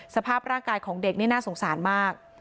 สภาพร่างกายของเด็กนี่น่าสงสารมาก